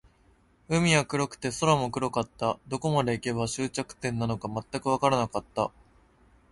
海は黒くて、空も黒かった。どこまで行けば、終着点なのか全くわからなかった。